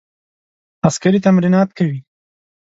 عسکري تمرینات کوي.